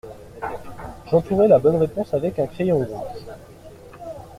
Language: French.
J’entourai la bonne réponse avec un crayon rouge.